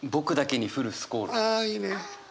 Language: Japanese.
あいいね。